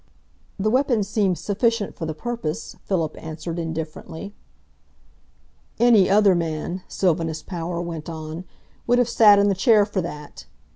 "The weapon seems sufficient for the purpose," Philip answered indifferently. "Any other man," Sylvanus Power went on, "would have sat in the chair for that.